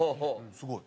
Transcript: すごい。